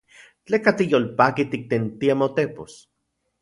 ¿Tleka tiyolpaki tiktentia motepos?